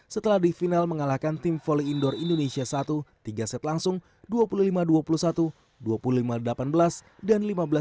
setelah di final mengalahkan tim volley indoor indonesia satu tiga set langsung dua puluh lima dua puluh satu dua puluh lima delapan belas dan lima belas dua puluh